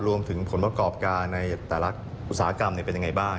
รวมถึงผลประกอบการในแต่ละอุตสาหกรรมเป็นยังไงบ้าง